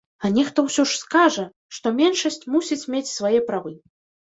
А нехта ўсё ж скажа, што меншасць мусіць мець свае правы.